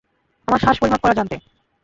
আমার শ্বাস পরিমাপ করা জানতে।